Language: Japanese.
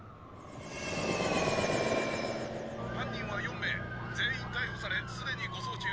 「犯人は４名全員逮捕されすでに護送中。